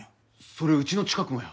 それうちの近くもや。